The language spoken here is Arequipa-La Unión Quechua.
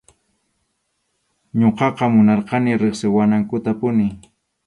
Ñuqaqa munarqani riqsiwanankutapuni.